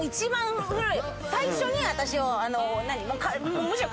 最初に私を。